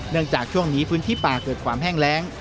จากช่วงนี้พื้นที่ป่าเกิดความแห้งแรง